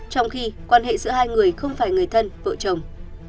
trong khi quan hệ giữa hai người không phải người thân vợ chồng